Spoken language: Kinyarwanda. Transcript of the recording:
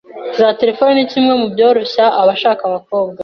Za telephone ni kimwe mu bworoshya abashaka abakobwa